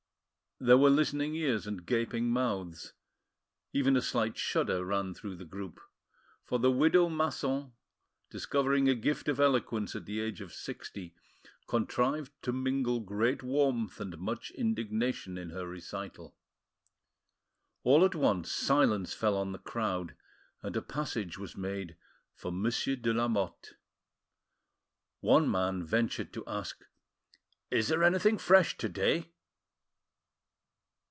There were listening ears and gaping mouths, even a slight shudder ran through the group; for the widow Masson, discovering a gift of eloquence at the age of sixty, contrived to mingle great warmth and much indignation in her recital. All at once silence fell on the crowd, and a passage was made for Monsieur de Lamotte. One man ventured to ask— "Is there anything fresh to day?"